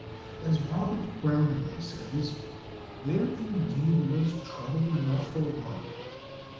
As Robert Browning says, there indeed was "trouble enough for one!"